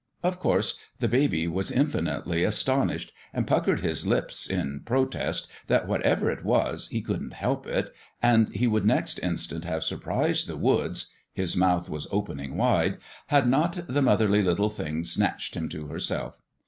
Of course, the baby was infinitely astonished, and puckered his lips, in protest that whatever it was, he couldn't help it; and he would next A FATHER for The BABY 173 instant have surprised the woods his mouth was opening wide had not the motherly little thing snatched him to herself.